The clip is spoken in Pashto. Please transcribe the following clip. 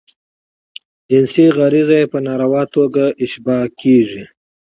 جنسی غریزه ئې په ناروا توګه اشباه کیږي.